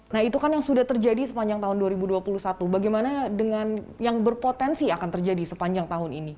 nah itu kan yang sudah terjadi sepanjang tahun dua ribu dua puluh satu bagaimana dengan yang berpotensi akan terjadi sepanjang tahun ini